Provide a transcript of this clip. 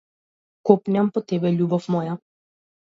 Копнеам по тебе, љубов моја.